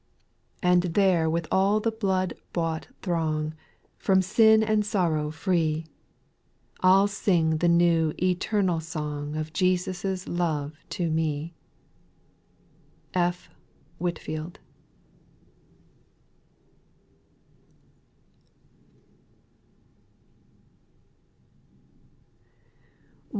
9. And there with all the blood bought throng, From sin and sorrow free, 192 SPIRITUAL SONGS, I '11 sing the new eternal song Of Jesus' love to me. p. WHTTFIBLD.